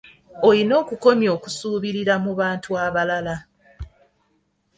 Olina okukomya okusuubirira mu bantu abalala.